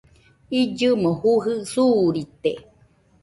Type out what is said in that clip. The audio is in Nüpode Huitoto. Illɨmo jujɨ suurite